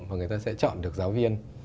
và người ta sẽ chọn được giáo viên